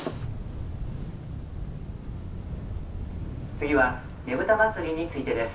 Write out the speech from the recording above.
「次はねぶた祭についてです」。